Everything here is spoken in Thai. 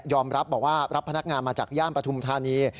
รับบอกว่ารับพนักงานมาจากย่านปฐุมธานี